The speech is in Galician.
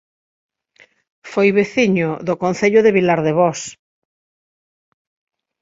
Foi veciño do Concello de Vilardevós